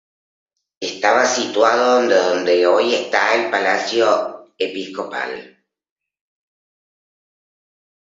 Estaba situado donde hoy está el Palacio Episcopal.